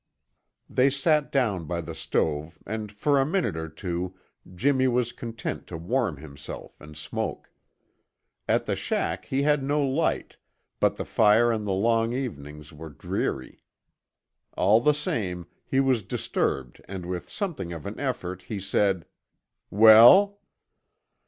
They sat down by the stove and for a minute or two Jimmy was content to warm himself and smoke. At the shack he had no light but the fire and the long evenings were dreary. All the same, he was disturbed and with something of an effort he said, "Well?"